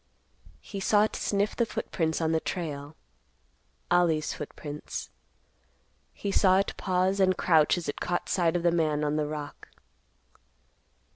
He saw it sniff the footprints on the trail—Ollie's footprints. He saw it pause and crouch as it caught sight of the man on the rock.